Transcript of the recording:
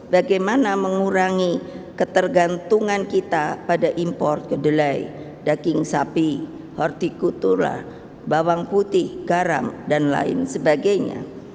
bagaimana mengurangi ketergantungan kita pada impor kedelai daging sapi hortikultura bawang putih garam dan lain sebagainya